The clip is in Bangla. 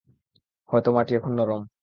হয়তো মাটি এখন নরম।